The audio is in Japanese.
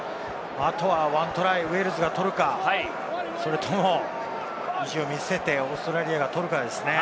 あとは、もう１トライ、ウェールズが取るか、それとも意地を見せてオーストラリアが取るかですね。